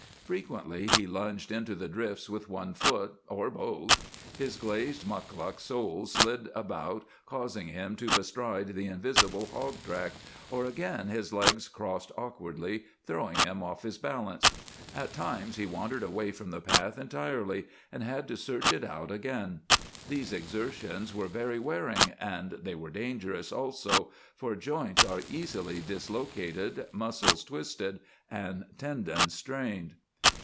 Frequently he lunged into the drifts with one foot, or both; his glazed mukluk soles slid about, causing him to bestride the invisible hog back, or again his legs crossed awkwardly, throwing him off his balance. At times he wandered away from the path entirely and had to search it out again. These exertions were very wearing and they were dangerous, also, for joints are easily dislocated, muscles twisted, and tendons strained.